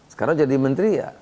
sekarang jadi menteri ya